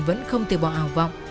vẫn không từ bỏ ảo vọng